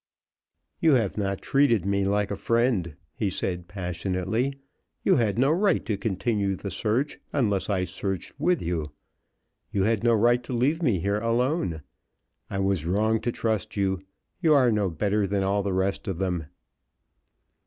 "You have not treated me like a friend," he said, passionately; "you had no right to continue the search unless I searched with you you had no right to leave me here alone. I was wrong to trust you; you are no better than all the rest of them."